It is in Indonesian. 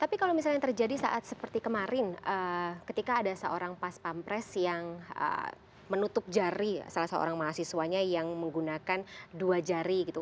tapi kalau misalnya yang terjadi saat seperti kemarin ketika ada seorang pas pampres yang menutup jari salah seorang mahasiswanya yang menggunakan dua jari gitu